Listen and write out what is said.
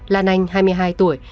lan anh hai mươi hai tuổi